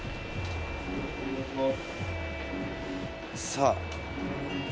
さあ。